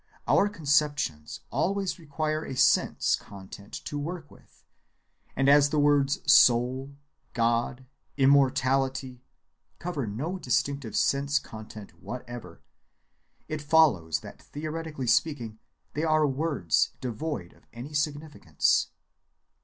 Our conceptions always require a sense‐content to work with, and as the words "soul," "God," "immortality," cover no distinctive sense‐content whatever, it follows that theoretically speaking they are words devoid of any significance.